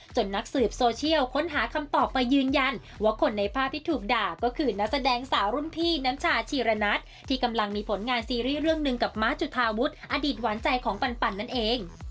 นักสืบโซเชียลค้นหาคำตอบมายืนยันว่าคนในภาพที่ถูกด่าก็คือนักแสดงสาวรุ่นพี่น้ำชาชีระนัทที่กำลังมีผลงานซีรีส์เรื่องหนึ่งกับม้าจุธาวุฒิอดีตหวานใจของปันนั่นเอง